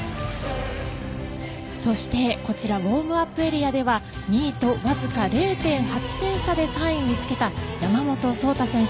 そしてこちらウオームアップエリアでは２位とわずか０．８点差で３位につけた山本草太選手。